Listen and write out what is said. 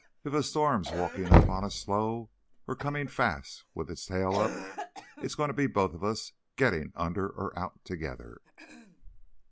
If a storm's walkin' up on us slow—or comin' fast with its tail up—it's goin' to be both of us gittin' under or out together."